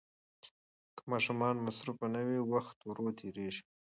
که ماشومان مصروف نه وي، وخت ورو تېریږي.